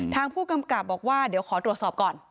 ทางผู้กำกับบอกว่าเดี๋ยวขอตรวจสอบก่อน